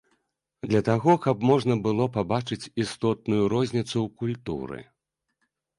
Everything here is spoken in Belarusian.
Для таго, каб можна было пабачыць істотную розніцу ў культуры.